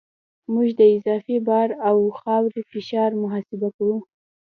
موږ د اضافي بار او خاورې فشار محاسبه کوو